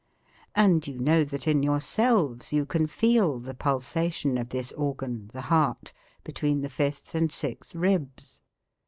And you know that in yourselves you can feel the pulsation of this organ, the heart, between the fifth and sixth ribs.